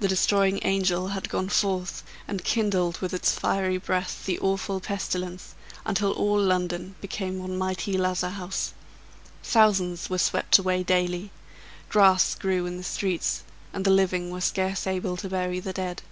The destroying angel had gone forth, and kindled with its fiery breath the awful pestilence, until all London became one mighty lazar house. Thousands were swept away daily; grass grew in the streets, and the living were scarce able to bury the dead.